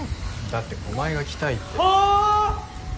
だって駒井が来たいってあ！